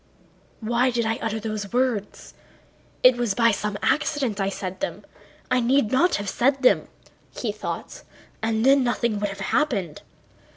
"Why did I utter those words? It was by some accident I said them.... I need not have said them," he thought. "And then nothing would have happened."